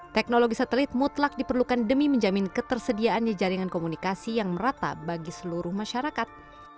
teknologi satelit mutlak diperlukan demi menjamin ketersediaannya jaringan komunikasi yang merata bagi seluruh masyarakat